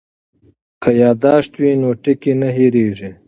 که یادښت وي نو ټکی نه هېریږي.